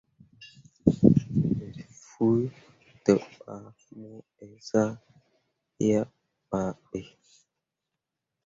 Me fuu degba mo eezah yah babe.